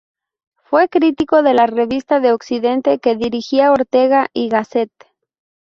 Fue crítico de la Revista de Occidente, que dirigía Ortega y Gasset.